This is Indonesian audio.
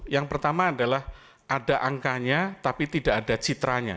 yang pertama adalah ada angkanya tapi tidak ada citranya